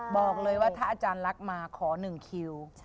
บอกเลยว่าถ้าอาจารย์ลักษณ์มาขอ๑คิว